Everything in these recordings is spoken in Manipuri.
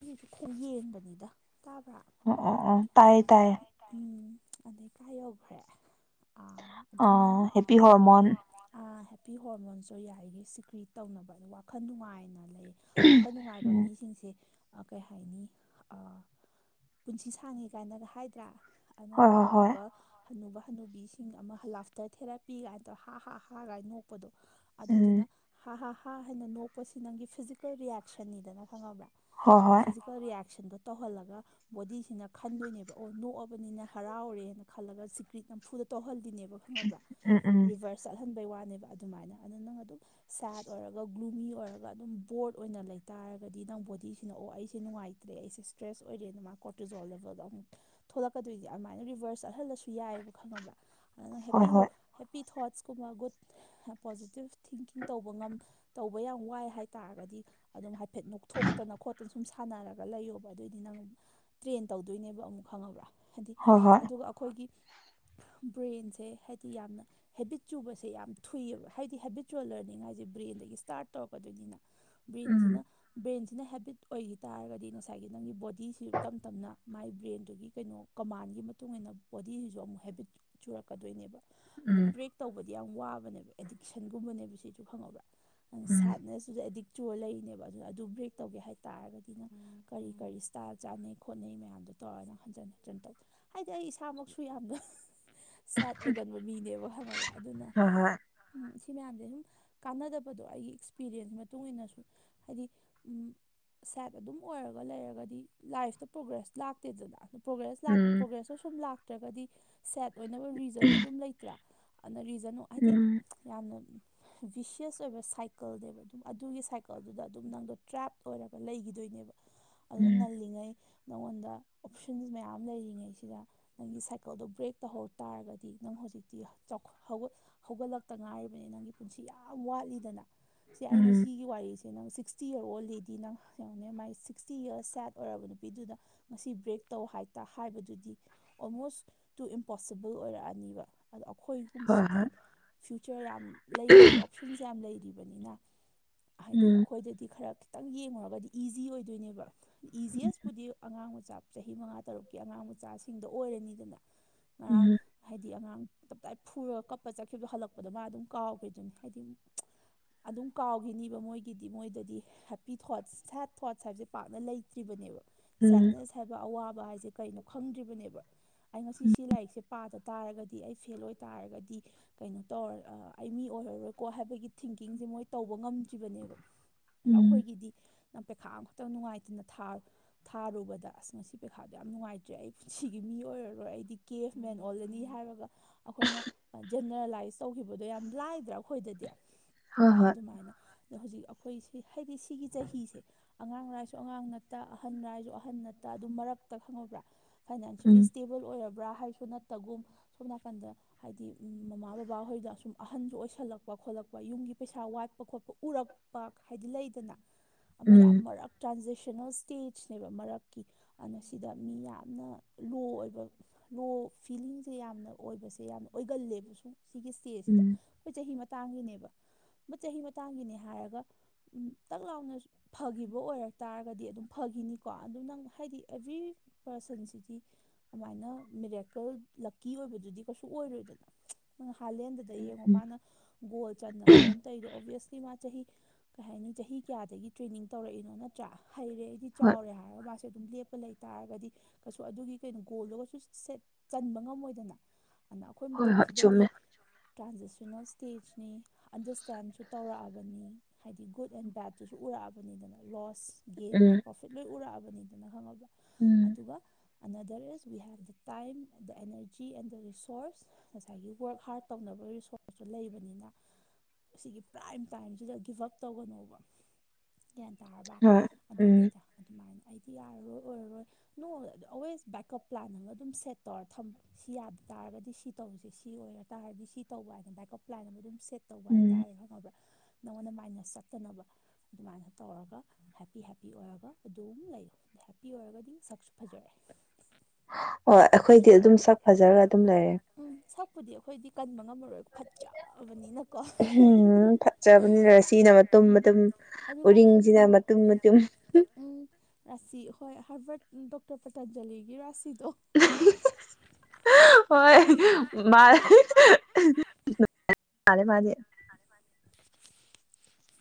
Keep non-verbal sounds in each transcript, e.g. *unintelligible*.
ꯑꯩꯁꯨ ꯈꯣꯡ ꯌꯦꯡꯕꯅꯤꯗ ꯇꯥꯕ꯭ꯔꯥ ꯑꯣ ꯑꯣ ꯑꯣ ꯇꯥꯏꯌꯦ ꯇꯥꯏꯌꯦ ꯎꯝ ꯑꯗꯩ ꯀꯥ ꯌꯧꯈ꯭ꯔꯦ ꯑ ꯑ ꯑꯗꯨꯅ ꯍꯦꯄꯤ ꯍꯣꯔꯃꯣꯟ ꯑꯥ ꯏ ꯍꯣꯔꯃꯣꯟꯁꯨ ꯌꯥꯏꯒꯤ ꯁꯤꯀ꯭ꯔꯤꯠ ꯇꯧꯅꯕ ꯑꯣ ꯋꯥꯈꯜ ꯅꯨꯡꯉꯥꯏꯅ ꯂꯩꯌꯦ ꯋꯥꯈꯜ ꯅꯨꯡꯉꯥꯏꯕ ꯎꯝ ꯃꯤꯁꯤꯡꯁꯦ ꯑꯥ ꯀꯩ ꯍꯥꯏꯅꯤ ꯄꯨꯟꯁꯤ ꯁꯥꯡꯉꯦ ꯀꯥꯏꯅꯒ ꯍꯥꯏꯗ꯭ꯔꯥ ꯍꯣꯏ ꯑꯗꯨꯅ ꯍꯣꯏ ꯍꯣꯏ ꯍꯟꯅꯨꯕ ꯍꯟꯅꯨꯕ ꯍꯅꯨꯕꯤꯁꯤꯡ ꯑꯃꯥ ꯂꯥꯐꯇꯔ ꯊꯦꯔꯥꯄꯤ ꯀꯥꯏꯅ ꯇꯧ ꯍꯥ ꯍꯥ ꯍꯥ ꯀꯥꯏꯅ ꯅꯣꯛꯄꯗꯣ ꯑꯗꯨꯗꯨꯅ ꯎꯝ ꯍꯥ ꯍꯥꯥ ꯍꯥ ꯍꯥꯏꯅ ꯅꯣꯛꯄꯁꯤ ꯅꯪꯒꯤ ꯐꯤꯖꯤꯀꯦꯜ ꯔꯤꯌꯦꯁꯟꯅꯤꯗꯅ ꯈꯪꯉꯕ꯭ꯔꯥ ꯍꯣꯏ ꯅ ꯍꯣꯏ ꯐꯤꯖꯤꯀꯦꯜ ꯔꯤꯌꯦꯁꯟꯗꯣ ꯇꯧꯍꯜꯂꯒ ꯕꯣꯗꯤꯁꯤꯅ ꯈꯟꯗꯣꯏꯅꯦꯕ ꯑꯣ ꯅꯣꯛꯑꯕꯅꯤꯅ ꯍꯔꯥꯎꯔꯦꯅ ꯈꯜꯂꯒ ꯁꯤꯀ꯭ꯔꯤꯠ ꯅꯝꯐꯨꯗ ꯇꯧꯍꯜꯂꯤꯅꯦꯕ ꯈꯪꯂꯕ ꯎꯝ ꯎꯝ ꯔꯤꯚꯁ ꯆꯥꯁꯟꯕꯒꯤ ꯋꯥꯅꯦꯕ ꯑꯗꯨ ꯃꯥꯏꯅ ꯑꯗꯨ ꯅꯪ ꯑꯗꯨꯝ ꯁꯦꯠ ꯑꯣꯏꯔꯒ ꯒ꯭ꯂꯨꯃꯤ ꯑꯣꯏꯔꯒ ꯑꯗꯨꯝ ꯕꯣꯔꯠ ꯑꯣꯏꯅ ꯂꯩꯇꯥꯥꯔꯒꯗꯤ ꯅꯪ ꯕꯣꯗꯤ ꯁꯤꯅ ꯑꯣ ꯑꯩꯁꯦ ꯅꯨꯡꯉꯥꯏꯇ꯭ꯔꯦ ꯑꯩꯁꯦ ꯏꯁ꯭ꯇ꯭ꯔꯦꯁ ꯑꯣꯏꯔꯦꯅ ꯃꯥ ꯀꯣꯔꯇꯤꯖꯣꯜ ꯂꯦꯕꯦꯜꯗ ꯑꯃꯨꯛ ꯊꯣꯛꯂꯛꯀꯗꯣꯏꯗꯤ ꯑꯗꯨꯃꯥꯏꯅ ꯔꯤꯚꯔꯁ ꯆꯠꯍꯜꯂꯁꯨ ꯌꯥꯏꯑꯕ ꯈꯪꯉꯕ꯭ꯔꯥ ꯑꯗꯨꯅ ꯍꯣꯏ ꯍꯦꯞꯄꯤ ꯍꯣꯏ ꯍꯦꯞꯄꯤ ꯊꯣꯠꯁꯀꯨꯝꯕ ꯒꯨꯗ ꯄꯣꯖꯤꯇꯤꯞ ꯊꯤꯡꯀꯤꯡ ꯇꯧꯕ ꯉꯝ ꯇꯧꯕ ꯌꯥꯝ ꯋꯥꯏ ꯍꯥꯏꯇꯥꯥꯔꯒꯗꯤ ꯑꯗꯨꯝ ꯍꯥꯏꯐꯦꯠ ꯅꯣꯛꯊꯣꯛꯇꯅ ꯈꯣꯠꯇꯨꯅ ꯁꯨꯝ ꯁꯥꯟꯅꯔꯒ ꯂꯩꯌꯣꯕ ꯑꯗꯨꯑꯣꯏꯗꯤ ꯅꯪ ꯇ꯭ꯔꯦꯟ ꯇꯧꯗꯣꯏꯅꯦꯕ ꯑꯃꯨꯛ ꯈꯪꯉꯕ꯭ꯔꯥ ꯍꯥꯏꯗꯤ ꯍꯣꯏ ꯍꯣꯏ ꯑꯗꯨꯒ ꯑꯩꯈꯣꯏꯒꯤ ꯕ꯭ꯔꯦꯟꯁꯦ ꯍꯥꯏꯗꯤ ꯌꯥꯝꯅ ꯍꯦꯕꯤꯠ ꯆꯨꯕꯁꯦ ꯌꯥꯝ ꯊꯨꯏꯑꯕ ꯍꯥꯏꯗꯤ ꯍꯦꯕꯤꯠꯆꯨꯋꯦꯜ ꯂꯔꯅꯤꯡ ꯍꯥꯏꯁꯦ ꯕ꯭ꯔꯦꯟꯗꯒꯤ ꯁ ꯏꯁꯇꯥꯔꯠ ꯇꯧꯔꯛꯀꯗꯣꯏꯅꯤꯅ ꯕ꯭ꯔꯦꯟꯁꯤꯅ ꯎꯝ ꯕ꯭ꯔꯦꯟꯁꯤꯅ ꯍꯦꯕꯤꯠ ꯑꯣꯏꯈꯤ ꯇꯥꯔꯒꯗꯤ ꯉꯁꯥꯏꯒꯤ ꯅꯪꯒꯤ ꯕꯣꯗꯤ ꯏꯁꯨ ꯇꯞ ꯇꯞꯅ ꯃꯥꯏ ꯕ꯭ꯔꯦꯟꯗꯨꯒꯤ ꯀꯩꯅꯣ ꯀꯃꯥꯟꯒꯤ ꯃꯇꯨꯡ ꯏꯟꯅ ꯕꯣꯗꯤꯁꯤꯁꯨ ꯑꯃꯨꯛ ꯍꯦꯕꯤꯠ ꯆꯨꯔꯛꯀꯗꯣꯏꯅꯦꯕ ꯑꯗꯨ ꯎꯝ ꯕ꯭ꯔꯦꯛ ꯇꯧꯕꯗꯤ ꯌꯥꯝ ꯋꯥꯕꯅꯦꯕ ꯑꯦꯗꯤꯛꯁꯟꯒꯨꯝꯕꯅꯦꯕ ꯁꯤꯁꯨ ꯈꯪꯉꯕ꯭ꯔꯥ ꯪ ꯎꯝ ꯁꯥꯠꯅ ꯁꯤꯁꯨ ꯑꯦꯗꯤꯛ ꯆꯔ ꯂꯩꯔꯤꯅꯦꯕ ꯑꯗꯨꯅ ꯑꯗꯨ ꯄ꯭ꯔꯦꯛ ꯇꯧꯒꯦ ꯍꯥꯏꯔꯦ ꯇꯥꯔꯒꯗꯤꯅ ꯀꯔꯤ ꯀꯔꯤ ꯏꯁꯇꯥꯥꯏꯜ ꯆꯥꯅꯩ ꯈꯣꯠꯅꯩ ꯃꯌꯥꯝꯗꯣ ꯇꯧꯔꯒꯅ ꯍꯟꯖꯤꯟ ꯍꯟꯖꯤꯟ ꯇꯧ ꯍꯥꯏꯗꯤ ꯑꯩ ꯏꯁꯥꯃꯛꯁꯨ ꯌꯥꯝꯅ ꯁꯦꯠ ꯑꯣꯏꯒꯟꯕ ꯃꯤꯅꯦꯕ ꯈꯪꯉꯕ꯭ꯔꯥ ꯑꯗꯨꯅ ꯍꯣꯏ ꯍꯣꯏ ꯎꯝ ꯁꯤ ꯃꯌꯥꯝꯁꯦ ꯁꯨꯝ ꯀꯥꯟꯅꯗꯕꯗꯣ ꯑꯩꯒꯤ ꯑꯦꯛꯁꯄꯤꯔꯤꯌꯦꯟꯁ ꯃꯇꯨꯡ ꯏꯟꯅꯁꯨ ꯍꯥꯏꯗꯤ ꯁꯦꯠ ꯑꯗꯨꯝ ꯑꯣꯏꯔꯒ ꯂꯩꯔꯒꯗꯤ ꯂꯥꯏꯐꯇ ꯄ꯭ꯔꯣꯒ꯭ꯔꯦꯁ ꯂꯥꯛꯇꯦꯗꯅ ꯄ꯭ꯔꯣꯒ꯭ꯔꯦꯁ ꯎꯝ ꯄ꯭ꯔꯣꯒ꯭ꯔꯦꯁꯇꯣ ꯁꯨꯝ ꯂꯥꯛꯇ꯭ꯔꯒꯗꯤ ꯁꯦꯠ ꯑꯣꯏꯅꯕ ꯔꯤꯖꯟ ꯑꯗꯨꯝ ꯂꯩꯇꯅ ꯑꯗꯣ ꯔꯤꯖꯟ ꯍꯥꯏꯗꯤ ꯎꯝ ꯌꯥꯝꯅ ꯕꯤꯁꯤꯌꯁ ꯑꯣꯏꯕ ꯁꯥꯏꯀꯜꯅꯦꯕ ꯑꯗꯨꯝ ꯑꯗꯨꯒꯤ ꯁꯥꯏꯀꯜꯗꯨꯗ ꯑꯗꯨꯝ ꯅꯪꯗꯣ ꯇ꯭ꯔꯦꯞ ꯑꯣꯏꯔꯛ ꯂꯩꯈꯤꯗꯣꯏꯅꯦꯕ ꯑꯗꯨ ꯎꯝ ꯉꯜꯂꯤꯉꯩ ꯅꯉꯣꯟꯗ ꯑꯣꯞꯁꯟꯁ ꯃꯌꯥꯝ ꯂꯩꯔꯤꯉꯩꯁꯤꯗ ꯅꯪꯒꯤ ꯁꯥꯏꯀꯜꯗꯣ ꯕ꯭ꯔꯦꯛ ꯇꯧꯍꯧ ꯇꯥꯔꯒꯗꯤ ꯅꯪ ꯍꯧꯖꯤꯛꯇꯤ ꯆꯥꯎꯈꯠ ꯍꯧꯒꯠꯂꯛꯇ ꯉꯥꯏꯔꯤꯕꯅꯤ ꯅꯪꯒꯤ ꯄꯨꯟꯁꯤ ꯌꯥꯝ ꯋꯥꯠꯂꯤꯗꯅ ꯁꯤ ꯑꯩꯅ ꯎꯝ ꯁꯤꯒꯤ ꯋꯥꯔꯤꯁꯦ ꯅꯪ ꯁꯤꯛꯁꯇꯤ ꯌꯔ ꯑꯣꯜꯂꯦꯗꯤ ꯅ ꯌꯦꯉꯨꯅꯦ ꯃꯥꯒꯤ ꯁꯤꯛꯁꯇꯤ ꯌꯔꯁ ꯁꯦꯠ ꯑꯣꯏꯔꯕ ꯅꯨꯄꯤꯗꯨꯗ ꯉꯁꯤ ꯕ꯭ꯔꯦꯛ ꯇꯧ ꯍꯥꯏꯇꯥ ꯍꯥꯏꯕꯗꯨꯗꯤ ꯑꯣꯜꯃꯣꯁ ꯇꯨ ꯏꯝꯄꯣꯁꯤꯕꯜ ꯑꯣꯏꯔꯛꯑꯅꯤꯕ ꯑꯗꯣ ꯑꯩꯈꯣꯏ ꯍꯣꯏ ꯨꯃꯁꯤꯗꯤ ꯍꯣꯏ ꯐ꯭ꯌꯨꯆꯔ ꯌꯥꯝ ꯂꯩꯔꯤ ꯑꯣꯞꯁꯟꯁ ꯌꯥꯝ ꯂꯩꯔꯤꯕꯅꯤꯅ ꯍꯥꯏꯗꯤ ꯎꯝ ꯑꯩꯈꯣꯏꯗꯗꯤ ꯈꯔ ꯈꯤꯇꯪ ꯌꯦꯡꯉꯨꯔꯒꯗꯤ ꯏꯖꯤ ꯑꯣꯏꯗꯣꯏꯅꯦꯕ ꯏꯖꯤꯌꯦꯁꯄꯨꯗꯤ ꯑꯉꯥꯡ ꯃꯆꯥ ꯆꯍꯤ ꯃꯉꯥ ꯇꯔꯨꯛꯀꯤ ꯑꯉꯥꯡ ꯃꯆꯥꯁꯤꯡꯗ ꯑꯣꯏꯔꯅꯤꯗꯅ ꯉꯔꯥꯥꯡ ꯎꯝ ꯍꯥꯏꯗꯤ ꯑꯉꯥꯡ ꯇꯞꯇꯥꯏ ꯐꯨꯔꯒ ꯀꯞꯄ ꯆꯠꯈꯤꯕꯗꯣ ꯍꯜꯂꯛꯄꯗꯣ ꯃꯥ ꯑꯗꯨꯝ ꯀꯥꯎꯈ꯭ꯔꯦꯗꯨꯅꯤ ꯍꯥꯏꯗꯤ ꯑꯗꯨꯝ ꯀꯥꯎꯈꯤꯅꯤꯕ ꯃꯣꯏꯒꯤꯗꯤ ꯃꯣꯏꯗꯗꯤ ꯍꯦꯞꯄꯤ ꯊꯣꯠꯁ ꯁꯦꯠ ꯊꯣꯠꯁ ꯍꯥꯏꯕꯁꯦ ꯄꯥꯛꯅ ꯂꯩꯇ꯭ꯔꯤꯕꯅꯦꯕ ꯎꯝ ꯁꯦꯠꯅꯦꯁ ꯍꯥꯏꯕ ꯑꯋꯥꯕ ꯍꯥꯏꯁꯦ ꯀꯩꯅꯣ ꯈꯪꯗ꯭ꯔꯤꯕꯅꯦꯕ ꯑꯩ ꯉꯁꯤ ꯁꯤ ꯂꯥꯏꯔꯤꯛꯁꯦ ꯄꯥꯗ ꯇꯥꯔꯒꯗꯤ ꯑꯩ ꯐꯦꯜ ꯑꯣꯏ ꯇꯥꯔꯒꯗꯤ ꯀꯩꯅꯣ ꯇꯧꯔ ꯑꯩ ꯃꯤ ꯑꯣꯏꯔꯔꯣꯏꯀꯣ ꯍꯥꯏꯕꯒꯤ ꯊꯤꯡꯀꯤꯡꯁꯦ ꯃꯣꯏ ꯇꯧꯕ ꯉꯝꯗ꯭ꯔꯤꯕꯅꯦꯕ ꯎꯝ ꯑꯩꯈꯣꯏꯒꯤꯗꯤ ꯅꯪ ꯄꯩꯈꯥ ꯑꯃꯈꯛꯇꯪ ꯅꯨꯡꯉꯥꯏꯇꯅ ꯊꯥꯔꯣ ꯊꯥꯔꯨꯕꯗ ꯑꯁ ꯉꯁꯤ ꯄꯩꯈꯥꯗꯣ ꯌꯥꯝ ꯅꯨꯡꯉꯥꯏꯇ꯭ꯔꯦ ꯑꯩ ꯄꯨꯟꯁꯤꯒꯤ ꯃꯤ ꯑꯣꯏꯔꯔꯣꯏ ꯑꯩꯗꯤ ꯀꯦ ꯑꯦꯐ ꯃꯦꯟ ꯑꯣꯜꯂꯅꯤ ꯍꯥꯏꯔꯒ ꯑꯩꯈꯣꯏꯅ ꯖꯦꯅꯔꯦꯂꯥꯏꯁ ꯇꯧꯈꯤꯕꯗꯣ ꯌꯥꯝ ꯂꯥꯏꯗ꯭ꯔꯥ ꯑꯩꯈꯣꯏꯗꯗꯤ ꯍꯣꯏ ꯍꯣꯏ ꯑꯗꯨꯃꯥꯏꯅ ꯑꯗꯣ ꯍꯧꯖꯤꯛ ꯑꯩꯈꯣꯏ ꯁꯤ ꯍꯥꯏꯗꯤ ꯁꯤꯒꯤ ꯆꯍꯤꯁꯦ ꯑꯉꯥꯡ ꯂꯥꯏꯁꯨ ꯑꯉꯥꯡ ꯅꯠꯇ ꯑꯍꯜꯂꯁꯨ ꯑꯍꯟ ꯅꯠꯇ ꯑꯗꯨ ꯃꯔꯛꯇ ꯈꯪꯉꯕ꯭ꯔꯥ ꯐꯥꯏꯅꯥꯟꯁꯦꯜꯂꯤ ꯎꯝ ꯏꯁꯇꯦꯕꯜ ꯑꯣꯏꯔꯕ꯭ꯔꯥ ꯍꯥꯏꯁꯨ ꯅꯠꯇꯒꯨꯝ ꯁꯣꯝ ꯅꯥꯀꯟꯗ ꯍꯥꯏꯗꯤ ꯃꯃꯥ ꯕꯕꯥꯍꯣꯏꯗ ꯁꯁꯨꯝ ꯑꯍꯟꯁꯨ ꯑꯣꯏꯁꯜꯂꯛꯄ ꯈꯣꯠꯂꯛꯄ ꯌꯨꯝꯒꯤ ꯄꯩꯁꯥ ꯋꯥꯠꯄ ꯈꯣꯠꯄ ꯎꯔꯛ ꯄꯥꯛ ꯍꯥꯏꯗꯤ ꯂꯩꯗꯅ ꯑꯃ ꯌꯥꯝ ꯎꯝ ꯃꯔꯛ ꯇ꯭ꯔꯥꯟꯖꯦꯁꯅꯦꯜ ꯁ꯭ꯇꯦꯖꯅꯦꯕ ꯃꯔꯛꯀꯤ ꯑꯗꯨꯅ ꯁꯤꯗ ꯃꯤ ꯌꯥꯝꯅ ꯂꯣ ꯑꯣꯏꯕ ꯂꯣ ꯐꯤꯂꯤꯡꯁꯦ ꯌꯥꯝꯅ ꯑꯣꯏꯕꯁꯦ ꯌꯥꯝꯅ ꯑꯣꯏꯒꯜꯂꯦꯕ ꯁꯨꯝ ꯁꯤꯒꯤ ꯏꯁꯇꯦꯖꯁꯤꯗ ꯎꯝ ꯑꯩꯈꯣꯏ ꯆꯍꯤ ꯃꯇꯥꯡꯒꯤꯅꯦꯕ ꯆꯍꯤ ꯃꯇꯥꯡꯒꯤꯅꯦ ꯍꯥꯏꯔꯒ ꯇꯛ ꯂꯥꯎꯅ ꯐꯈꯤꯕ ꯑꯣꯏꯔꯛ ꯇꯥꯔꯒꯗꯤ ꯑꯗꯨꯝ ꯐꯈꯤꯅꯤꯀꯣ ꯑꯗꯨ ꯅꯪ ꯍꯥꯏꯗꯤ ꯑꯦꯚ꯭ꯔꯤ ꯄꯥꯔꯁꯟꯁꯤꯗꯤ ꯑꯗꯨꯃꯥꯏꯅ ꯃꯤꯔꯦꯀꯜ ꯂꯛꯀꯤ ꯑꯣꯏꯕꯗꯨꯗꯤ ꯀꯩꯁꯨ ꯑꯣꯏꯔꯣꯏꯗꯅ ꯍꯥꯂꯦꯟꯗꯗ ꯌꯦꯡꯉꯣ ꯎꯝ ꯃꯥꯅ ꯒꯣꯜ ꯆꯟꯗ ꯈꯣꯠꯅ ꯇꯩꯗꯣ ꯑꯣꯚꯌꯁꯂꯤ ꯃꯥ ꯆꯍꯤ ꯀꯩ ꯍꯥꯏꯅꯤ ꯆꯍꯤ ꯀꯌꯥꯗꯒꯤ ꯇ꯭ꯔꯦꯅꯤꯡ ꯇꯧꯔꯛꯏꯅꯣ ꯅꯠꯇ꯭ꯔꯥ ꯍꯩꯔꯦ ꯑꯩꯗꯤ ꯍꯣꯏ ꯆꯥꯎꯔꯦ ꯍꯥꯏꯔ ꯃꯥ ꯑꯗꯨꯝ ꯂꯦꯞꯄ ꯂꯩ ꯇꯥꯔꯒꯗꯤ ꯀꯩꯁꯨ ꯑꯗꯨꯒꯤ ꯀꯩꯅꯣ ꯒꯣꯜꯗꯨꯒꯁꯨ ꯁꯦꯠ ꯆꯟꯕ ꯉꯝꯃꯣꯏꯗꯅ ꯑꯗꯨꯅ ꯑꯩꯈꯣꯏ ꯍꯣꯏ ꯍꯣꯏ ꯃꯇꯝꯁꯤꯗꯗꯤ ꯆꯨꯝꯃꯦ ꯇ꯭ꯔꯥꯟꯖꯤꯁꯅꯦꯜ ꯁ꯭ꯇꯦꯖꯅꯤ ꯑꯟꯗꯔꯁ꯭ꯇꯦꯟꯁꯨ ꯇꯧꯔꯛꯑꯕꯅꯤ ꯍꯥꯏꯗꯤ ꯒꯨꯗ ꯑꯦꯟ ꯕꯦꯗꯨ ꯎꯔꯛꯑꯕꯅꯤꯗꯅ ꯂꯣꯁ ꯒꯦꯟ ꯎꯝ ꯄ꯭ꯔꯣꯐꯤꯠ ꯂꯣꯏ ꯎꯔꯛꯑꯕꯅꯤꯗꯅ ꯈꯪꯉꯕ꯭ꯔꯥ ꯎꯝ ꯑꯗꯨꯒ under is we help the time and the energy and the resources ꯉꯁꯥꯏꯒꯤ ꯋꯔꯛ ꯍꯥꯔꯠ ꯇꯧꯅꯕ ꯔꯤꯁꯣꯔꯁꯇꯨ ꯂꯩꯕꯅꯤꯅ ꯁꯤꯒꯤ ꯄ꯭ꯔꯥꯏꯝ ꯇꯥꯏꯝꯁꯤꯗ ꯒꯤꯞ ꯑꯞ ꯇꯧꯒꯅꯣꯕ ꯒ꯭ꯌꯥꯟ ꯇꯥꯔꯕ ꯍꯣꯏ ꯎꯝ ꯑꯗꯨꯅꯤꯗ ꯑꯗꯨꯃꯥꯏꯅ ꯑꯩꯗꯤ ꯌꯥꯔꯔꯣꯏ ꯑꯣꯏꯔꯔꯣꯏ ꯅꯣꯡꯃ ꯑꯣꯜꯋꯦꯁ ꯕꯦꯛꯀꯞ ꯄ꯭ꯂꯥꯟ ꯑꯃ ꯑꯗꯨꯝ ꯁꯦꯠ ꯇꯧꯔ ꯊꯝꯕ ꯁꯤ ꯌꯥꯗ ꯇꯥꯔꯒꯗꯤ ꯁꯤ ꯇꯧꯔꯤꯁꯦ ꯁꯤ ꯑꯣꯏꯔ ꯇꯥꯔꯗꯤ ꯁꯤ ꯇꯧꯕ ꯍꯥꯏꯅ ꯕꯥꯏꯀꯞ ꯂꯥꯏꯅ ꯑꯃ ꯑꯗꯨꯝ ꯁꯦꯠ ꯇꯧꯕ ꯎꯝ ꯍꯥꯏꯇꯥꯔꯦ ꯈꯪꯉꯕ꯭ꯔꯥ ꯅꯪꯉꯣꯟꯗ ꯃꯥꯏꯅ ꯆꯠꯇꯅꯕ ꯑꯗꯨꯃꯥꯏꯅ ꯇꯧꯔꯒ ꯍꯦꯞꯄꯤ ꯍꯦꯞꯄꯤ ꯑꯣꯏꯔꯒ ꯑꯗꯨꯝ ꯂꯩꯌꯨ ꯍꯦꯞꯄꯤ ꯑꯣꯏꯔꯒꯗꯤ ꯁꯛꯁꯨ ꯐꯖꯔꯦ ꯑꯣ ꯑꯩꯈꯣꯏꯗꯤ ꯑꯗꯨꯝ ꯁꯛ ꯐꯖꯔꯒ ꯑꯗꯨꯝ ꯂꯩꯔꯦ ꯎꯝ ꯁꯛꯄꯨꯗꯤ ꯑꯩꯈꯣꯏꯗꯤ ꯀꯟꯕ ꯉꯝꯃꯔꯣꯏ ꯐꯠꯖꯕꯅꯤꯅ ꯎꯝ ꯐꯠꯆꯕꯅꯤꯅ ꯔꯁꯤꯅ ꯃꯇꯨꯝ ꯃꯇꯨꯝ ꯎꯔꯤꯡꯁꯤꯅ ꯃꯇꯨꯝ ꯃꯇꯨꯝ ꯎꯝ ꯔꯥꯁꯤ ꯍꯣꯏ ꯍꯥꯔꯕꯔꯠ ꯗꯣꯛꯇꯔ ꯄꯇꯥꯟꯖꯂꯤꯒꯤ ꯔꯥꯁꯤꯗꯣ *unintelligible* ꯍꯣꯏ ꯃꯥ ꯃꯥꯅꯦ ꯃꯥꯅꯦ *inaudible*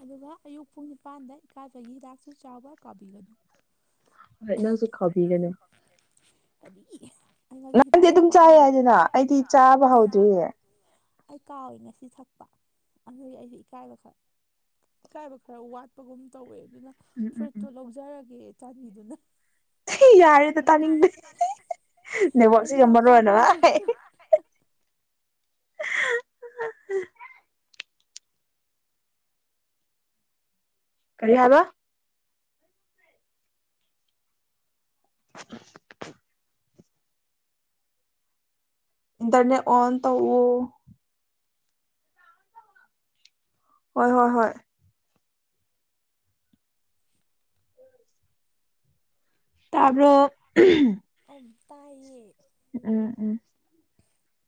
ꯑꯗꯨꯒ ꯑꯌꯨꯛ ꯄꯨꯡ ꯅꯤꯄꯥꯜꯗ ꯏꯀꯥꯏꯕꯒꯤ ꯍꯤꯗꯥꯛꯁꯨ ꯆꯥꯎꯕ ꯀꯥꯕꯤꯒꯅꯨ ꯍꯣꯢ ꯅꯪꯁꯨ ꯈꯥꯎꯕꯤꯒꯅꯨ ꯀꯗꯤ ꯅꯪꯗꯤ ꯑꯗꯨꯝ ꯆꯥꯏ ꯍꯥꯏꯗꯅ ꯑꯩꯗꯤ ꯆꯥꯕ ꯍꯧꯗ꯭ꯔꯤꯌꯦ ꯑꯩ ꯀꯥꯎꯋꯏ ꯉꯁꯤ ꯊꯛꯄ ꯑꯗꯨ ꯑꯩꯁꯦ ꯏꯀꯥꯏꯕ ꯈꯔ ꯏꯀꯥꯏꯕ ꯈꯔ ꯋꯥꯠꯄꯒꯨꯝ ꯇꯧꯋꯦ ꯑꯗꯨꯅ ꯎꯝ ꯎꯝ ꯎꯝ ꯐꯨꯔꯤꯠꯇꯣ ꯂꯧꯖꯔꯒꯦ ꯆꯥꯟꯕꯤꯗꯨꯅ ꯌꯥꯔꯦꯗ ꯍꯩ ꯇꯥꯅꯤꯡꯗꯦ ꯌꯔꯦꯗ ꯇꯅꯤꯡꯗꯦ *unintelligible* ꯑꯩ ꯅꯦꯠꯋꯥꯛꯁꯤꯒ ꯆꯥꯛ ꯃꯔꯣꯟ ꯑꯃ ꯆꯍꯧꯗꯦ ꯀꯔꯤ ꯍꯥꯏꯕ ꯎ *unintelligible* ꯏꯟꯇꯔꯅꯦꯠ ꯑꯣꯟ ꯇꯧꯑꯣ ꯍꯣꯏ ꯍꯣꯏ ꯍꯣꯏ ꯇꯥꯕ꯭ꯔꯣ ꯑꯨꯝ ꯎꯝ ꯇꯥꯏꯌꯦ ꯎꯝ ꯎꯝ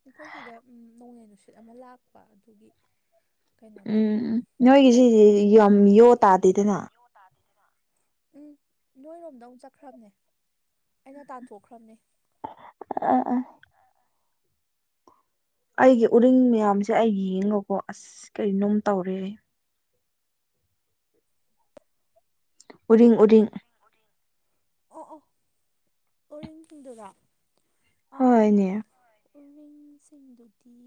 ꯑꯩꯈꯣꯏ ꯁꯤꯗ ꯎꯝ ꯅꯣꯡꯂꯩ ꯅꯨꯡꯁꯤꯠ ꯑꯃ ꯂꯥꯛꯄ ꯑꯗꯨꯒꯤ ꯀꯩꯅꯣ ꯎꯝ ꯇꯧꯕ ꯎꯝ ꯅꯣꯏꯒꯤ ꯁꯤꯖꯦ ꯌꯥꯝ ꯌꯣ ꯇꯥꯗꯦꯗꯅ ꯇꯥꯗꯦꯗꯅ ꯎꯝ ꯅꯣꯏꯔꯣꯝꯗ ꯑꯃꯨꯛ ꯆꯠꯈ꯭ꯔꯕꯅꯦ ꯑꯩꯅ ꯇꯥꯟꯊꯣꯛꯈ꯭ꯔꯕꯅꯦ ꯑ ꯑ ꯑꯩꯒꯤ ꯎꯔꯤꯡ ꯃꯌꯥꯝꯁꯦ ꯑꯩ ꯌꯦꯡꯉꯀꯣ ꯑꯁ ꯀꯅꯣꯝ ꯇꯧꯔꯦ ꯎꯔꯤꯡ ꯎꯔꯤꯡ ꯎꯔꯤꯡ ꯑꯣ ꯑꯣ ꯎꯔꯤꯡ ꯇꯨꯡꯗꯨꯔ ꯑꯝ ꯍꯣꯏꯅꯦ ꯍꯣꯢ ꯎꯔꯤꯡꯁꯤꯡꯗꯨꯗꯤ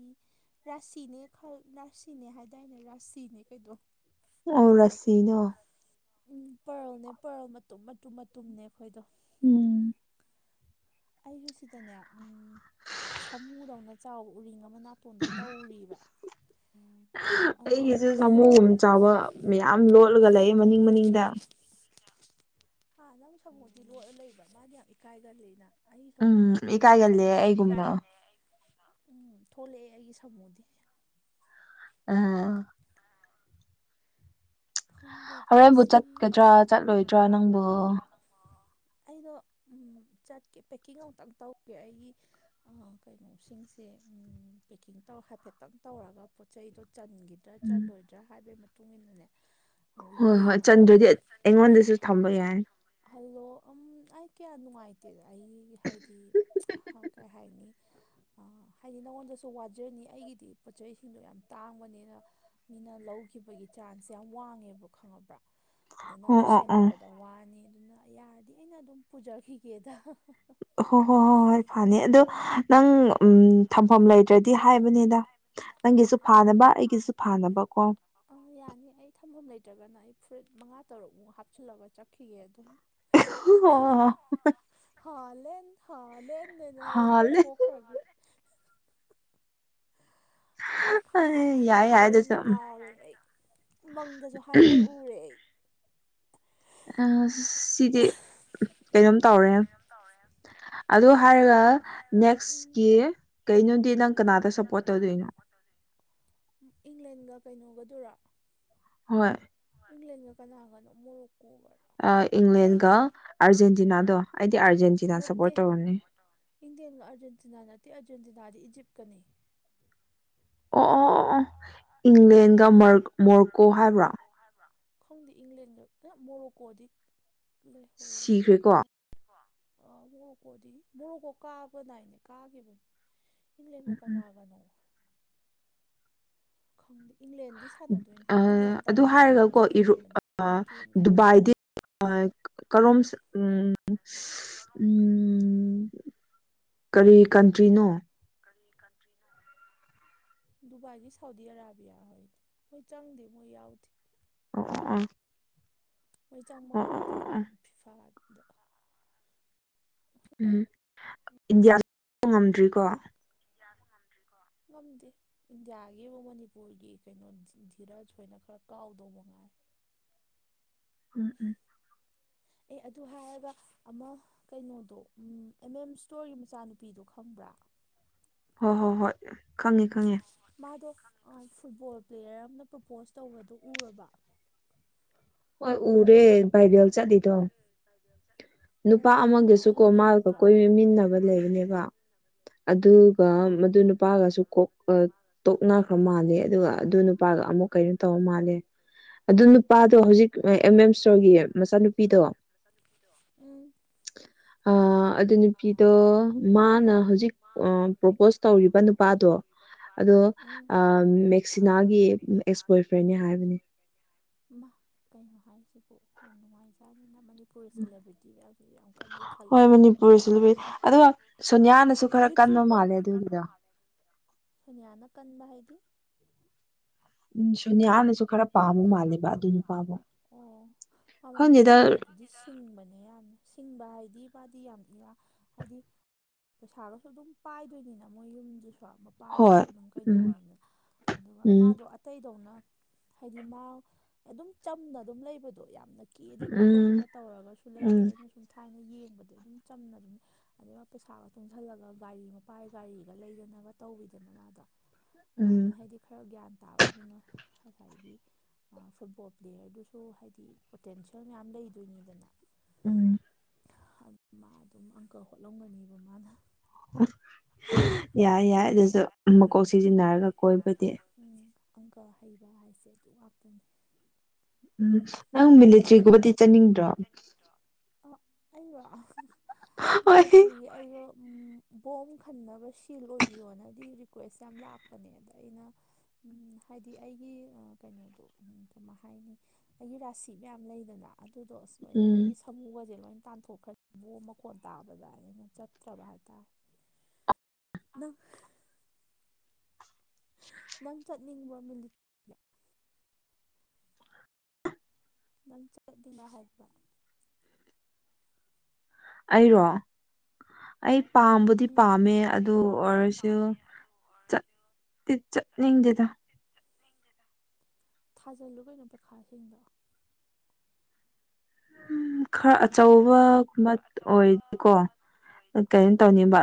ꯔꯥꯁꯤꯅꯦ ꯈꯜ ꯔꯥꯁꯤꯅꯦ ꯍꯥꯏꯗꯥꯏꯅꯦ ꯔꯥꯁꯤꯅꯦ ꯀꯩꯗꯣ ꯑꯣ ꯔꯁꯤꯅꯦ ꯑꯣ ꯎꯝ ꯄ꯭ꯔꯜꯅꯦ ꯄ꯭ꯔꯜ ꯃꯇꯨꯝ ꯃꯇꯨꯝ ꯃꯇꯨꯝꯅꯦ ꯑꯩꯈꯣꯏꯗꯣ ꯎꯝ ꯑꯩꯁꯨ ꯁꯤꯗꯅꯦ ꯁꯥꯃꯨꯗꯧꯅ ꯆꯥꯎꯕ ꯎꯔꯤꯡ ꯑꯃ ꯃ ꯅꯥꯄꯣꯟꯗ ꯇꯧꯔꯤꯕ꯭ꯔꯥ ꯑꯩꯒꯤꯁꯨ ꯁꯥꯃꯨꯒꯨꯝ ꯆꯥꯎꯕ ꯃꯌꯥꯝ ꯂꯣꯠꯂꯒ ꯂꯩ ꯃꯅꯤꯡ ꯃꯅꯤꯡꯗ ꯍꯥ ꯅꯪ ꯁꯃꯣꯗꯤ ꯂꯣꯠꯂ ꯂꯩꯕ ꯃꯥꯗꯤ ꯌꯥꯝ ꯏꯀꯥꯏꯒꯜꯂꯤꯅ ꯑꯩ ꯎꯝ ꯁꯕꯨꯨꯗꯤ ꯎ ꯏꯀꯥꯏꯒꯜꯂꯦ ꯊꯧꯅꯥ *unintelligible* ꯌꯥꯝ ꯐꯩ ꯑꯩꯒꯨꯝꯅ ꯎꯝ ꯊꯣꯛꯂꯛꯑꯦ ꯑꯩꯒꯤ ꯁꯥꯃꯨꯗꯤ ꯑ ꯈꯪꯗ꯭ꯔꯦꯗ ꯍꯣꯔꯦꯟꯕꯨ ꯉꯁꯤ ꯆꯠꯀꯗ꯭ꯔꯥ ꯍꯣꯔꯦꯟ ꯆꯠꯂꯣꯏꯗ꯭ꯔꯥ ꯆꯠꯀꯗ꯭ꯔꯥ ꯅꯪꯕꯨ ꯆꯠꯂꯣꯏꯗꯔꯥ ꯅꯪꯗꯣ ꯑꯩꯗꯣ ꯆꯠꯀꯦ ꯄꯦꯛꯀꯤꯡ ꯑꯃꯨꯛꯇꯪ ꯇꯧꯒꯦ ꯑꯩꯒꯤ ꯑ ꯀꯩꯅꯣ ꯁꯤꯡꯁꯦ ꯎꯝ ꯄꯦꯛꯀꯤꯡꯇꯣ ꯍꯥꯏꯐꯦꯠꯇꯪ ꯇꯧꯔꯒ ꯄꯣꯠꯆꯩꯗꯣ ꯆꯟꯒꯤ ꯗ ꯎꯝ ꯆꯜꯂꯣꯏꯗ꯭ꯔꯥ ꯍꯥꯏꯕꯩ ꯃꯇꯨꯡ ꯏꯟꯅꯅꯦ ꯍꯣ ꯍꯣꯏ ꯌꯦꯡꯉꯥꯒ ꯍꯣꯏ ꯆꯟꯗ꯭ꯔꯗꯤ ꯍꯣꯏ ꯆꯟꯗ꯭ꯔꯖꯨ ꯑꯩꯉꯣꯟꯗꯁꯨ ꯊꯝꯕ ꯑꯩꯉꯣꯟꯗꯁꯨ ꯌꯥꯏ ꯊꯝꯃ ꯍꯜꯂꯣ ꯎꯝ ꯑꯩ ꯀꯌꯥ ꯅꯨꯡꯉꯥꯏꯇꯦꯗ ꯑꯩ ꯍꯥꯏꯗꯤ ꯍ ꯀꯩ ꯍꯥꯏꯅꯤ *inaudible* ꯑ ꯍꯥꯏꯗꯤ ꯅꯉꯣꯟꯗꯁꯨ ꯋꯥꯖꯅꯤ ꯑꯩꯒꯤꯗꯤ ꯄꯣꯠꯆꯩꯁꯤꯡꯗꯣ ꯌꯥꯝ ꯇꯥꯡꯕꯅꯤꯅ ꯃꯤꯅ ꯂꯧꯈꯤꯕꯒꯤ ꯆꯥꯟ ꯁꯦ ꯌꯥꯝ ꯋꯥꯡꯉꯦꯕ ꯈꯪꯉꯕ꯭ꯔꯥ ꯑꯗ ꯑꯣ ꯅꯪꯁꯨ ꯑꯣ ꯑꯣ ꯁꯦꯟꯅꯕꯗ ꯋꯥꯅꯤ ꯑꯗꯨꯅ ꯌꯥꯔꯗꯤ ꯑꯩꯅ ꯑꯗꯨꯝ ꯄꯨꯖꯈꯤꯒꯦꯗ ꯍꯣꯏ ꯍꯣꯏ ꯍꯣꯏ ꯍꯣꯏ ꯐꯅꯤ ꯑꯗꯣ ꯅꯪ ꯎꯝ ꯊꯝꯐꯝ ꯂꯩꯇ꯭ꯔꯗꯤ ꯍꯥꯏꯕꯅꯤꯗ ꯅꯪꯒꯤꯁꯨ ꯐꯥꯅꯕ ꯑꯩꯒꯤꯁꯨ ꯐꯥꯅꯕ ꯀꯣ ꯑꯥ ꯌꯥꯅꯤ ꯑꯩ ꯊꯝꯐꯝ ꯂꯩꯇ꯭ꯔꯒꯅ ꯑꯩ ꯐꯨꯔꯤꯠ ꯃꯉꯥ ꯇꯔꯨꯛꯃꯨꯛ ꯍꯥꯞꯆꯤꯜꯂꯒ ꯆꯠꯈꯤꯒꯦ ꯑꯗꯨꯝ *unintelligible* ꯍꯥꯂꯦꯟ ꯍꯥꯂꯦꯟ ꯑꯩꯅ ꯑꯩ ꯑꯗꯨꯝ ꯍꯥꯜꯂꯦ ꯊꯣꯛꯈ꯭ꯔꯒꯦ *unintelligible* ꯑꯩ ꯈꯪꯗꯦ ꯑꯩ ꯌꯥꯏ ꯌꯥꯏ ꯑꯗꯨꯁꯨ ꯍꯥꯂꯦꯟꯗ ꯉꯥꯎꯔꯦ ꯑꯩ ꯃꯪꯗꯁꯨ ꯍꯥꯂꯦꯟ ꯎꯔꯦ ꯑꯩ ꯑꯁ ꯁꯤꯗꯤ ꯀꯩꯅꯣꯝ ꯇꯧꯔꯦ *unintelligible* ꯑꯗꯨ ꯑꯩ ꯍꯥꯏꯔꯒ ꯅꯦꯛꯁꯀꯤ ꯀꯩꯅꯣꯗꯤ ꯅꯪ ꯀꯅꯥꯗ ꯁꯞꯄꯣꯔꯠ ꯇꯧꯗꯣꯏꯅꯣ ꯏꯪꯂꯦꯟꯒ ꯀꯩꯅꯣꯒꯗꯨꯔꯣ ꯍꯣꯏ ꯏꯪꯂꯦꯟꯒ ꯀꯅꯥꯒꯅꯣ ꯃꯣꯔꯣꯛꯀꯣꯒꯔꯣ ꯑ ꯏꯪꯂꯦꯟꯒ ꯑꯥꯔꯖꯦꯟꯇꯤꯅꯥꯗꯣ ꯑꯩꯗꯤ ꯑꯥꯔꯖꯦꯟꯇꯤꯅꯥ ꯁꯞꯄꯣꯔꯠ ꯇꯧꯔꯅꯤ ꯏꯟꯂꯦꯟꯒ ꯑꯔꯖꯦꯟꯇꯤꯅꯥ ꯅꯠꯇꯦ ꯑꯥꯔꯖꯦꯟꯇꯤꯅꯥꯗꯤ ꯏꯖꯤꯞꯀꯅꯤ ꯑꯣ ꯑꯣ ꯑꯣ ꯏꯪꯂꯦꯟꯒ ꯃꯔ ꯃꯣꯔꯀꯣ ꯍꯥꯏꯕ꯭ꯔꯣ *unintelligible* ꯈꯪꯗꯦ ꯏꯪꯂꯦꯟꯒ *unintelligible* ꯃꯣꯔꯣꯀꯣꯗꯤ ꯂꯩꯍꯧꯋꯦ ꯀ ꯁꯤꯈ꯭ꯔꯦꯀꯣ *unintelligible* ꯑ ꯃꯣꯔꯣꯛꯀꯣꯗꯤ ꯃꯣꯔꯣꯛꯀꯣ ꯀꯥꯕ ꯗꯥꯏꯅꯦ ꯀꯥꯒꯤꯕꯅꯤ ꯏꯪꯂꯦꯟꯒ ꯎꯝ ꯎꯝ ꯀꯅꯥꯒꯅꯣ ꯈꯪꯗꯦ ꯏꯪꯂꯦꯟꯗꯤ ꯁꯥꯟꯅꯗꯣꯏꯅꯤ ꯑꯥ ꯏꯪꯂꯦꯟ ꯑꯗꯨ ꯇꯧꯅꯤ ꯍꯥꯏꯔꯒꯀꯣ ꯏꯪꯂꯦꯟꯁꯨ ꯏꯔꯣ ꯂꯤꯡꯕꯅꯤ ꯔꯤ ꯀꯦꯟ ꯀꯥꯏꯅ ꯀꯦꯞ ꯗꯨꯕꯥꯏꯗꯤ *unintelligible* ꯀꯔꯣꯝ ꯎꯝ ꯎꯝ ꯀꯔꯤ ꯀꯟꯇ꯭ꯔꯤꯅꯣ ꯀꯔꯤ ꯀꯟꯇ꯭ꯔꯤꯅꯨ ꯗꯨꯕꯥꯏꯗꯤ ꯁꯥꯎꯗꯤ ꯑꯔꯥꯕꯤꯌꯥ ꯍꯣꯏꯅꯤ ꯍꯣꯏ ꯆꯪꯗꯦ ꯃꯣꯏ ꯌꯥꯎꯗꯦ ꯑꯣ ꯑꯣ ꯑꯣ ꯃꯣꯏ ꯆꯪꯕ ꯑꯣ ꯑꯣ ꯑꯣ ꯉꯝꯗꯦꯕ ꯑꯣ ꯐꯤꯐꯥꯗ ꯎꯝ ꯍꯣꯏ ꯎꯝ ꯏꯟꯗꯤꯌꯥꯁꯨ ꯉꯝꯗ꯭ꯔꯤꯀꯣ *inaudible* ꯉꯝꯗ꯭ꯔꯤꯀꯣ ꯉꯝꯗꯦ ꯏꯟꯗꯤꯌꯥꯒꯤꯕꯨ ꯃꯅꯤꯄꯨꯔꯒꯤ ꯀꯩꯅꯣ ꯙꯤꯔꯁ ꯍꯣꯏꯅ ꯈꯔ ꯀꯥꯎꯗꯧꯕ ꯉꯥꯏꯔꯦ ꯎꯝ ꯎꯝ ꯑꯦ ꯑꯗꯨ ꯍꯥꯏꯔꯒ ꯑꯃ ꯀꯩꯅꯣꯗꯣ ꯎꯝ ꯑꯦꯝ ꯑꯦꯝ ꯏꯁꯇꯣꯔꯒꯤ ꯃꯆꯥꯅꯨꯄꯤꯗꯣ ꯈꯪꯕ꯭ꯔꯥ ꯍꯣꯏ ꯍꯣꯏ ꯍꯣꯏ ꯈꯪꯉꯤ ꯈꯪꯉꯦ ꯃꯥꯗꯣ ꯑ ꯐꯨꯠꯕꯣꯜ ꯄ꯭ꯂꯦꯌꯔ ꯑꯃꯅ ꯄ꯭ꯔꯣꯄꯣꯁ ꯇꯧꯕꯗꯨ ꯎꯔꯕꯣ ꯍꯣꯏ ꯎꯔꯦ ꯕꯥꯏꯔꯦꯜ ꯆꯠꯂꯤꯗꯣ ꯆꯠꯂꯤ ꯅꯨꯄꯥ ꯑꯃꯒꯤꯁꯨꯀꯣ ꯃꯥꯒ ꯀꯣꯏꯃꯤꯟꯅꯕ ꯂꯩꯕꯅꯦꯕ ꯑꯗꯨꯒ ꯑꯥ ꯃꯗꯨ ꯅꯨꯄꯥꯒꯁꯨ ꯀꯣꯛ ꯑ ꯇꯣꯛꯅꯈ꯭ꯔ ꯃꯥꯂꯦ ꯑꯗꯨꯒ ꯑꯗꯨ ꯅꯨꯄꯥꯒ ꯑꯃꯨꯛ ꯀꯩꯅꯣ ꯇꯧꯔ ꯃꯥꯜꯂꯦ ꯑꯗꯨ ꯅꯨꯄꯥꯗꯣ ꯍꯧꯖꯤꯛ ꯑꯦꯝ ꯑꯦꯝ ꯏꯁꯇꯣꯔꯒꯤ ꯃꯆꯥꯅꯨ *unintelligible* ꯅꯨꯄꯤꯗꯣ ꯎꯝ ꯑꯥ ꯑꯗꯨ ꯅꯨꯄꯤꯗꯣ ꯃꯥꯅ ꯍꯧꯖꯤꯛ ꯄ꯭ꯔꯣꯄꯣꯁ ꯇꯧꯔꯤꯕ ꯅꯨꯄꯥꯗꯣ ꯑꯗꯣ ꯎꯝ ꯃꯦꯛꯁꯤꯅꯥꯒꯤ ꯑꯦꯛꯁ ꯕꯣꯏ ꯐ꯭ꯔꯦꯟꯅꯦ ꯍꯥꯏꯕꯅꯦ ꯃꯥ ꯀꯩꯅꯣ ꯍꯥꯏꯁꯤꯕꯨ ꯌꯥꯝ ꯅꯨꯡꯉꯥꯏꯖꯅꯤꯅ ꯃꯅꯤꯞ ꯄꯨꯔ ꯁꯦꯂꯦꯕ꯭ꯔꯤꯇꯤ ꯃꯌꯥꯝꯁꯤꯁꯨ ꯌꯥꯝ ꯀꯟ ꯍꯣꯏ ꯅꯩꯈꯠꯂꯛꯏ ꯃꯅꯤꯄꯨꯔꯁꯨ ꯂꯨꯕꯤ ꯑꯗꯨꯒ ꯁꯣꯅꯤꯌꯥꯅꯁꯨ ꯈꯔ ꯀꯟꯕ ꯌꯨꯇꯨꯕꯔ ꯃꯥꯜꯂꯦ ꯑꯗꯨꯒꯤꯗꯣ ꯁꯣꯅꯤꯌꯥꯅ ꯀꯟꯕ ꯍꯥꯏꯗꯤ ꯎꯝ ꯁꯣꯅꯤꯌꯥ ꯑꯣ ꯄꯥꯝꯃꯝꯅꯤ ꯈꯪꯗꯦꯗ ꯁꯣꯅꯤꯌꯥꯗꯨꯗꯤ ꯁꯤꯡꯕꯅꯦ ꯌꯥꯝꯅ ꯁꯤꯡꯕ ꯍꯥꯏꯗꯤ ꯃꯥꯗꯤ ꯌꯥꯝ ꯏꯔꯥ ꯍꯥꯏꯗꯤ ꯄꯩꯁꯥꯒꯁꯨ ꯑꯗꯨꯝ ꯄꯥꯏꯗꯣꯏꯅꯤꯅ ꯃꯣꯏ ꯌꯨꯝꯗꯨꯁꯨ ꯄꯥꯗꯨꯁꯨ ꯍꯣꯏ ꯀꯩꯅꯣꯝ ꯎꯝ ꯀꯩꯅꯣꯅꯤꯗꯅ ꯑꯗꯨꯒ ꯎꯝ ꯃꯥꯗꯣ ꯑꯇꯩꯗꯧꯅ ꯍꯥꯏꯗꯤ ꯃꯥ ꯑꯗꯨꯝ ꯆꯝꯅ ꯑꯗꯨꯝ ꯂꯩꯕꯗꯣ ꯌꯥꯝꯅ ꯀꯦꯗꯅ ꯎꯝ ꯈꯣꯠꯇꯅ ꯇꯧꯔꯒꯁꯨ ꯂꯩꯇꯦ ꯎꯝ ꯑꯩꯅ ꯁꯨꯝ ꯊꯥꯏꯅ ꯌꯦꯡꯕꯗꯤ ꯑꯗꯨꯝ ꯆꯝꯅ ꯑꯗꯨꯝ ꯑꯗꯩ ꯃꯥ ꯄꯩꯁꯥꯒ ꯇꯨꯡꯖꯜꯂꯒ ꯒꯥꯔꯤ ꯃꯄꯥꯒꯤ ꯒꯥꯔꯤꯒ ꯂꯩꯗꯅꯒ ꯇꯧꯕꯋꯤꯗꯅ ꯃꯥꯗꯣ ꯎꯝ ꯑꯃꯥꯏꯅ ꯍꯥꯏꯗꯤ ꯈꯔ ꯒ꯭ꯌꯥꯟ ꯇꯥꯕ ꯑꯗꯨꯅ ꯍꯥꯏꯗꯤ ꯐꯨꯠꯕꯣꯜ ꯄ꯭ꯂꯦꯌꯔꯗꯨꯁꯨ ꯍꯥꯏꯗꯤ ꯄꯣꯇꯦꯟꯁꯤꯌꯦꯜ ꯃꯌꯥꯝ ꯂꯩꯗꯣꯏꯅꯤꯗꯅ ꯎꯝ ꯃꯥ ꯑꯗꯨꯝ ꯑꯪꯀ ꯍꯣꯠꯂꯝꯒꯅꯦꯕ ꯃꯥꯅ ꯌꯥꯏ ꯌꯥꯏ ꯑꯗꯨꯁꯨ ꯃꯀꯣꯛ ꯁꯤꯖꯤꯟꯅꯔꯒ ꯀꯣꯏꯕꯗꯤ ꯎꯝ ꯑꯪꯀ ꯍꯩꯕ ꯍꯥꯏꯁꯦ ꯑꯗꯨ ꯉꯥꯛꯇꯅꯤ ꯎꯝ ꯅꯪ ꯃꯤꯂꯤꯇ꯭ꯔꯤꯒꯨꯝꯕꯗꯤ ꯆꯠꯅꯤꯡꯗ꯭ꯔꯣ ꯑ ꯑꯩꯔꯣ ꯍꯣꯏ ꯃꯤꯂꯤꯇꯔ꯭ꯤꯒꯤ ꯑꯩꯗꯣ ꯎꯝ ꯕꯣꯝ ꯈꯟꯅꯕ ꯁꯤꯜ ꯑꯣꯏꯕꯤꯌꯣꯅꯗꯤ ꯔꯤꯀ꯭ꯋꯦꯁ ꯌꯥꯝ ꯂꯥꯛꯄꯅꯦ ꯑꯗ ꯑꯩꯅ ꯎꯝ ꯍꯥꯏꯗꯤ ꯑꯩꯒꯤ ꯑ ꯀꯩꯅꯣꯗꯣ ꯎꯝ ꯀꯃꯥꯏ ꯍꯥꯏꯅꯤ ꯑꯩꯒꯤ ꯔꯁꯤ ꯏꯠ ꯃꯌꯥꯝ ꯂꯩꯗꯅ ꯑꯗꯨꯗꯣ ꯑꯁ ꯂꯣꯏꯅ ꯎꯝ ꯑꯩꯒꯤ ꯐꯃꯨꯒꯁꯦ ꯂꯣꯏ ꯇꯥꯟꯊꯣꯛꯈ꯭ꯔ ꯕꯣꯝ ꯃꯈꯣꯟ ꯇꯥꯕꯗ ꯑꯩꯅ ꯆꯠꯇ꯭ꯔꯕ ꯍꯥꯏꯇꯥꯔꯦ ꯃꯥ ꯅꯪ ꯆꯠꯅꯤꯡꯕꯔꯣ ꯃꯤꯂꯤ ꯅꯪ ꯆꯠꯂꯗꯤ ꯃ ꯍꯥꯏꯕ ꯑꯩꯔꯣ ꯑꯩ ꯑꯩꯔꯣ ꯄꯥꯝꯕꯨꯗꯤ ꯎꯝ ꯄꯥꯝꯃꯦ ꯑꯩ ꯑꯗꯨ ꯄꯥꯝꯕꯨꯗꯤ ꯄꯥꯝꯃꯦ ꯑꯗꯨ ꯑꯣꯏꯔꯁꯨ ꯇꯤꯠ ꯆꯠꯅꯤꯡꯗꯦꯗ ꯇꯤꯠ ꯆꯠꯅꯤꯡꯗꯦꯗ ꯊꯥꯖꯜꯂꯨ ꯀꯩꯅꯣ ꯄꯩꯈꯥꯁꯤꯡꯗꯣ ꯎꯝ ꯈ ꯑꯆꯧꯕ ꯀꯨꯝꯕ ꯑꯣꯏꯗꯤꯀꯣ ꯀꯩꯅꯣ ꯎꯝ ꯇꯧꯅꯤꯡꯕ